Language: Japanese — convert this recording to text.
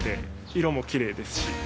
色もきれいですし。